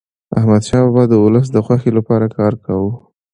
احمدشاه بابا د ولس د خوښی لپاره کار کاوه.